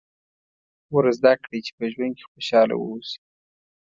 ور زده کړئ چې په ژوند کې خوشاله واوسي.